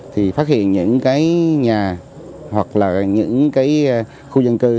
thì phát hiện những cái nhà hoặc là những cái khu dân cư